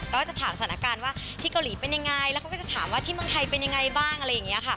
ก็จะถามสถานการณ์ว่าที่เกาหลีเป็นยังไงแล้วเขาก็จะถามว่าที่เมืองไทยเป็นยังไงบ้างอะไรอย่างนี้ค่ะ